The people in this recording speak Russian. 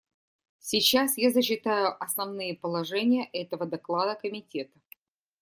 Сейчас я зачитаю основные положения этого доклада Комитета.